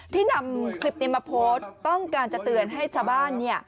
นำคลิปนี้มาโพสต์ต้องการจะเตือนให้ชาวบ้าน